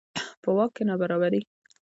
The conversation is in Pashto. په واک کې نابرابري.